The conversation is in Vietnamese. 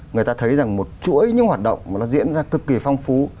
người ta thấy rằng một chuỗi những hoạt động mà nó diễn ra cực kỳ phong phú